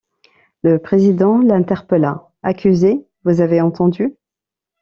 Le président l’interpella: — Accusé, vous avez entendu.